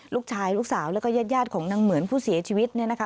ลูกสาวลูกสาวแล้วก็ญาติของนางเหมือนผู้เสียชีวิตเนี่ยนะคะ